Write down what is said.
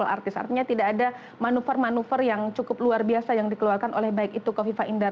artinya tidak ada manuver manuver yang cukup luar biasa yang dikeluarkan oleh baik itu kofifa indar